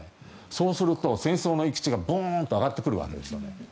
そうすると戦争の閾値がボーンと上がってくるわけですね。